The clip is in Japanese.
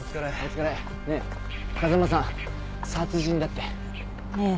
ねえ風間さん殺人だって？ええ。